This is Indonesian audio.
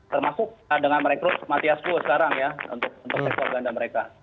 termasuk dengan merekrut mathias full sekarang ya untuk sektor ganda mereka